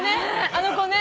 あの子ね。